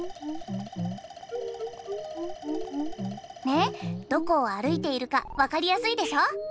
ねっどこをあるいているかわかりやすいでしょ？